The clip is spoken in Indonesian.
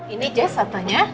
ini aja satunya